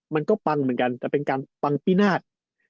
มันก็ปังเหมือนกันแต่เป็นการปังพินาศ